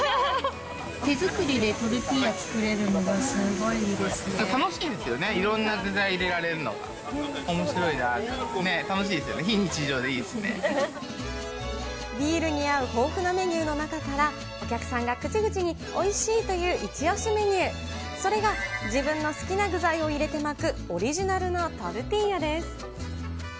手作りでトルティーヤ作れる楽しいですよね、いろんな具材入れられるの、おもしろいなと思って、楽しいでビールに合う豊富なメニューの中から、お客さんが口々においしいという一押しメニュー、それが、自分の好きな具材を入れて巻く、オリジナルのトルティーヤです。